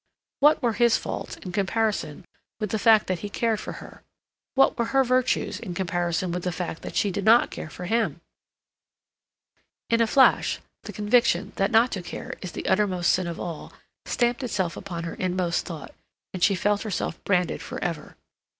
What were his faults in comparison with the fact that he cared for her? What were her virtues in comparison with the fact that she did not care for him? In a flash the conviction that not to care is the uttermost sin of all stamped itself upon her inmost thought; and she felt herself branded for ever.